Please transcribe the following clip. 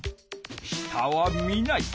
下は見ない。